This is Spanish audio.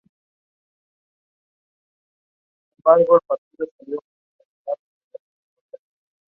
Su economía se basa en la agricultura y viticultura.